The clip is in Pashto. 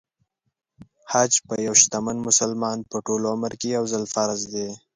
حج په یو شتمن مسلمان په ټول عمر کې يو ځل فرض دی .